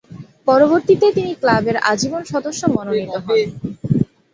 পরবর্তীতে তিনি ক্লাবের আজীবন সদস্য মনোনীত হন।